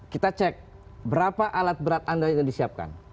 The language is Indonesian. kita cek berapa alat berat anda yang disiapkan